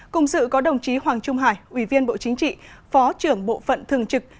cùng dự có đồng chí hoàng trung hải ủy viên bộ chính trị phó trưởng bộ phận thường trực